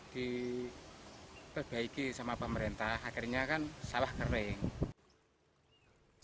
diperbaiki sama pemerintah akhirnya kan sawah kering